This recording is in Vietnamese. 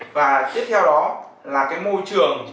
và tiếp theo đó là môi trường